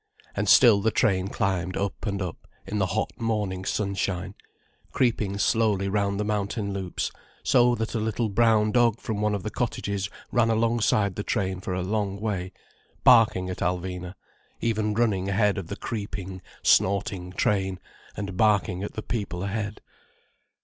And still the train climbed up and up, in the hot morning sunshine, creeping slowly round the mountain loops, so that a little brown dog from one of the cottages ran alongside the train for a long way, barking at Alvina, even running ahead of the creeping, snorting train, and barking at the people ahead.